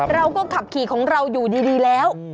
เราก็ขับขี่ของเราอยู่ดีแล้ว